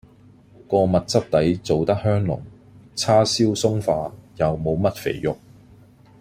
個蜜汁底做得香濃，叉燒鬆化，又無乜肥肉